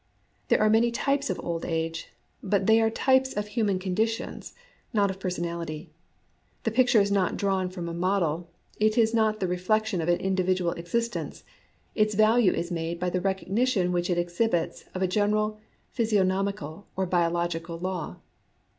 There are many types of old age ; but they are types of human conditions, not of personality. The picture is not drawn from a model ; it is not the reflec ABOUT FACES IN JAPANESE ART 113 tion of an individual existence : its value is made by the recognition which it exhibits of a general physiognomical or biological law.